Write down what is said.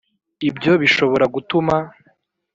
ibyo bishobora gutuma